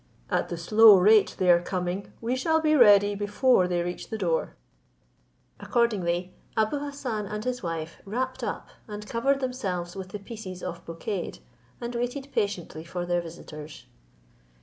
At the slow rate they are coming, we shall be ready before they reach the door." Accordingly, Abou Hassan and his wife wrapped up and covered themselves with the pieces of brocade, and waited patiently for their visitors.